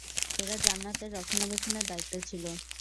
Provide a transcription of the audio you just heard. এরা জান্নাতের রক্ষণাবেক্ষণের দায়িত্বে ছিল।